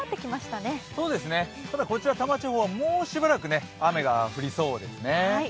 ただ、こちら多摩地方はもうしばらく雨が降りそうですね。